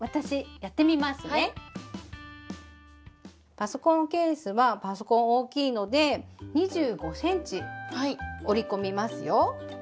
パソコンケースはパソコン大きいので２５ｃｍ折り込みますよ。